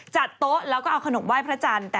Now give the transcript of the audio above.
จัดโต๊ะแล้วก็เอาขนมไหว้พระจันทร์